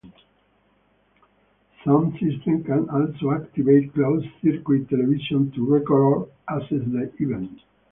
Some systems can also activate closed-circuit television to record or assess the event.